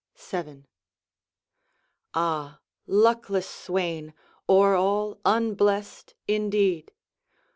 VII Ah, luckless swain, o'er all unblest indeed!